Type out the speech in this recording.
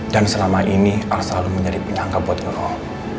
dan selama ini al selalu menjadi penyangka buat ngeroh